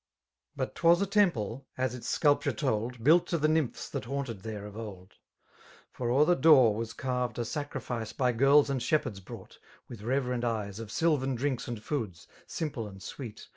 But 'twas a temple, as its aeulptnre told. Built to the Nymphs that haunted there of old ) For o*er the door was carved a sacrifioe By girls and shepherds brought, with reverend eyes. Of sylvan drinks and foods, simple and sweet.